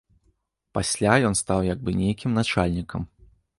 Пасля ён стаў як бы нейкім начальнікам.